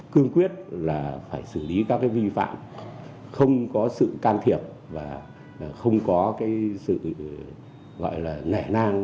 cương quyết là phải xử lý các cái vi phạm không có sự can thiệp và không có cái sự gọi là nẻ nang